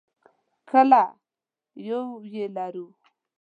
کله یو یې ولرو.